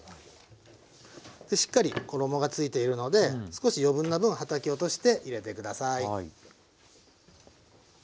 しっかり衣がついているので少し余分な分はたき落として入れて下さい。